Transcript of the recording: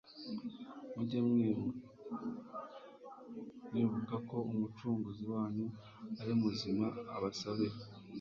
mujye mwibnka ko Umucunguzi wanyu ari muzima abasabira.